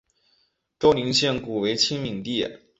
周宁县古为七闽地。